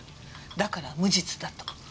だから無実だと。